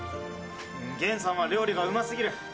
源さんは料理がうま過ぎる。